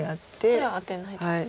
これアテないとですね。